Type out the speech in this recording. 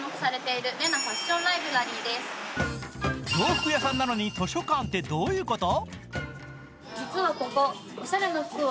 洋服屋さんなのに図書館ってどういうこと？